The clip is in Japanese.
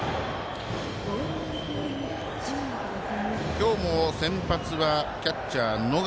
今日も先発はキャッチャー、野上。